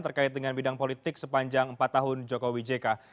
terkait dengan bidang politik sepanjang empat tahun jokowi jk